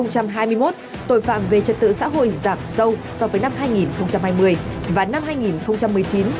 năm hai nghìn hai mươi một tội phạm về trật tự xã hội giảm sâu so với năm hai nghìn hai mươi và năm hai nghìn một mươi chín